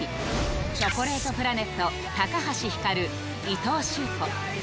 チョコレートプラネット橋ひかる伊藤修子